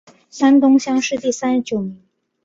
山东乡试第三十九名。